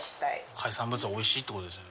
海産物がおいしいってことですよね？